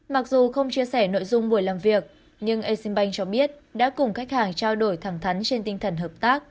mặc dù không chia sẻ nội dung buổi làm việc nhưng exim bank cho biết đã cùng khách hàng trao đổi thẳng thắn trên tinh thần hợp tác